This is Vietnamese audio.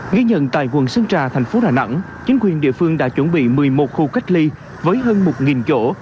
ghi nhận tại quận sơn trà tp hcm chính quyền địa phương đã chuẩn bị một mươi một khu cách ly với hơn một chỗ